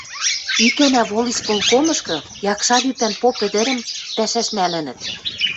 Икӓнӓ волисполкомышкы якшар ӱпӓн поп ӹдӹрӹм пӓшӓш нӓлӹнӹт.